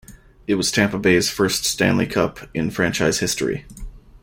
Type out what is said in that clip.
It was Tampa Bay's first Stanley Cup in franchise history.